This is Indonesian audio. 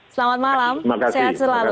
selamat malam sehat selalu